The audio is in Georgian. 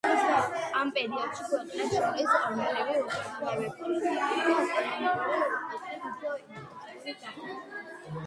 ამ პერიოდში ქვეყნებს შორის ორმხრივი ურთიერთობები პოლიტიკური და ეკონომიკური კუთხით უფრო ინტენსიური გახდა.